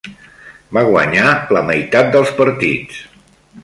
Va guanyar la meitat dels partits.